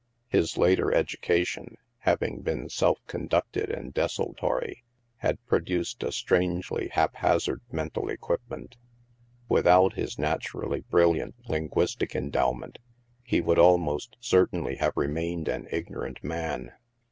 His later education, having been self conducted and desultory, had produced a strangely haphazard mental equipment. Without his nat urally brilliant linguistic endowment, he would al most certainly have remained an ignorant man.